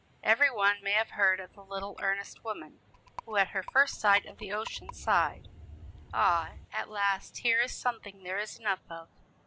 Every one may have heard of the little earnest woman who at her first sight of the ocean sighed: "Ah at last here is something there is enough of!"